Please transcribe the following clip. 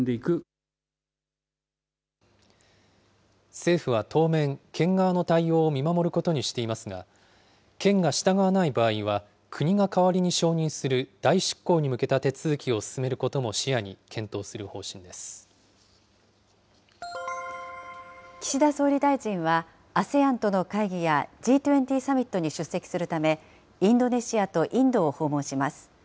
政府は当面、県側の対応を見守ることにしていますが、県が従わない場合は、国が代わりに承認する代執行に向けた手続きを進めることも視野に岸田総理大臣は、ＡＳＥＡＮとの会議やＧ２０サミットに出席するため、インドネシアとインドを訪問します。